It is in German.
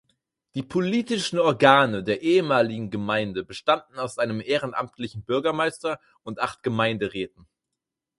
Die politischen Organe der ehemaligen Gemeinde bestanden aus einem ehrenamtlichen Bürgermeister und acht Gemeinderäten.